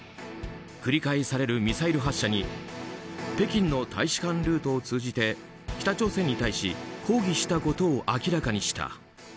繰り返されるミサイル発射に北京の大使館ルートを通じて北朝鮮に対し抗議したことを明らかにした。